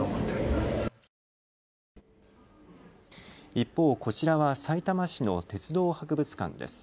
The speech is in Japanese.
一方、こちらはさいたま市の鉄道博物館です。